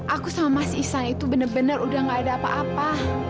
aku sama mas ihsan itu bener bener udah nggak ada apa apa